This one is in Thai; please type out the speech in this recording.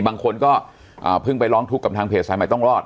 บางคนก็เพิ่งไปร้องทุกข์กับทางเพจสายใหม่ต้องรอด